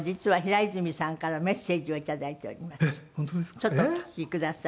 ちょっとお聞きください。